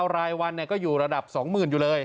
รายวันก็อยู่ระดับ๒๐๐๐อยู่เลย